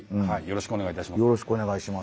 よろしくお願いします。